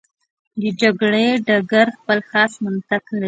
د جګړې ډګر خپل خاص منطق لري.